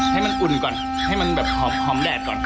ให้มันอุ่นก่อนให้มันแบบหอมแดดก่อน